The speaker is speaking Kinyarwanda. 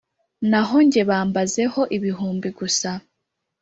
naho jye bambazeho ibihumbi gusa.